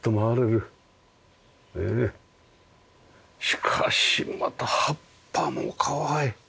しかしまた葉っぱもかわいい。